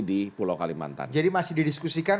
di pulau kalimantan jadi masih didiskusikan